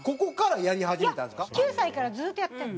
いや９歳からずっとやってるの。